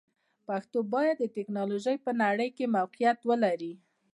پښتو باید د ټکنالوژۍ په نړۍ کې موقعیت ولري.